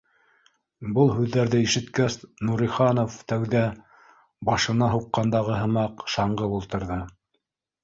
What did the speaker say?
Был һүҙҙәрҙе ишеткәс, Нуриханов тәүҙә, башына һуҡ- ҡандағы һымаҡ, шаңғып ултырҙы